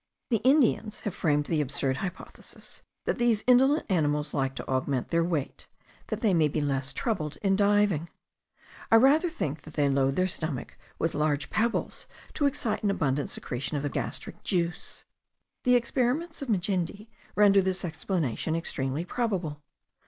The Indians have framed the absurd hypothesis that these indolent animals like to augment their weight, that they may have less trouble in diving. I rather think that they load their stomach with large pebbles to excite an abundant secretion of the gastric juice. The experiments of Majendie render this explanation extremely probable.